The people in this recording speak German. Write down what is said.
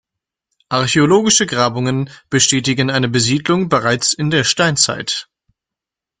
Archäologische Grabungen bestätigen eine Besiedlung bereits in der Steinzeit.